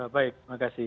baik terima kasih